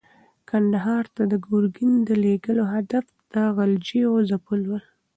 کندهار ته د ګورګین د لېږلو هدف د غلجیو ځپل ول.